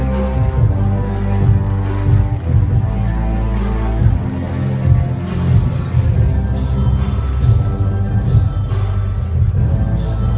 สโลแมคริปราบาล